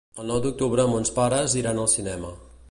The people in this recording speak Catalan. El nou d'octubre mons pares iran al cinema.